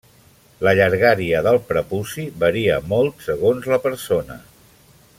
La llargària del prepuci varia molt segons la persona.